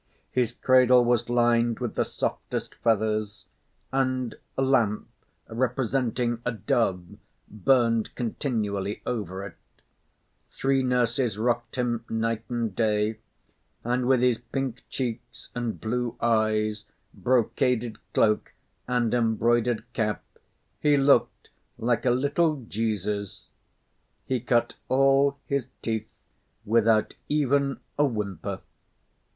His cradle was lined with the softest feathers, and lamp representing a dove burned continually over it; three nurses rocked him night and day, and with his pink cheeks and blue eyes, brocaded cloak and embroidered cap he looked like a little Jesus. He cut all his teeth without even a whimper.